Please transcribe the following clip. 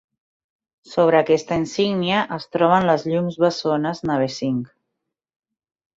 Sobre aquesta insígnia es troben les llums bessones Navesink.